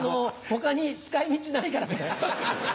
他に使い道ないからこれ。